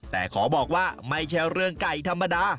แต่ขอบอกว่าไม่ใช่เรื่องไก่ธรรมดา